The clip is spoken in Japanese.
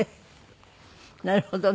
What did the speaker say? なるほどね。